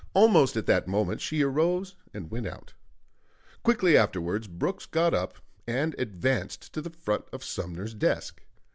Almost at that moment she arose and went out; quickly afterwards Brooks got up and advanced to the front of Sumner's desk.